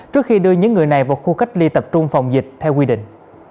trước khi đưa những người này vào khu cách ly tập trung phòng dịch theo quy định